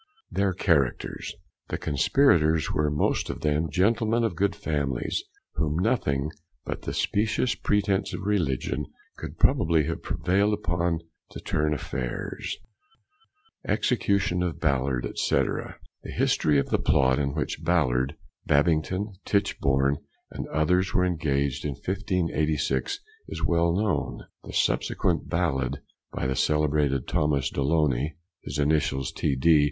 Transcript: THEIR CHARACTERS. The Conspirators were most of them gentlemen of good families, whom nothing but the specious pretence of religion could probably have prevailed upon to turn affairs. THE EXECUTION OF BALLARD, &c. The history of the plot in which Ballard, Babbington, Tichbourne, and others, were engaged in 1586, is well known. The subsequent ballad, by the celebrated Thomas Deloney, (his initials T.D.